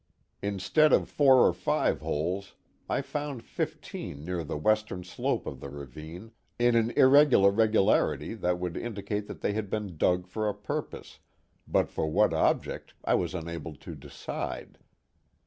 Instead of four for five holes, I found fifteen near the western slope of the ravine, in an irregular regularity that would indicate that they had been dug for a purpose, but for what object I was unable to decide.